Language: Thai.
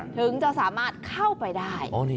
ถึงจะสามารถเข้าไปได้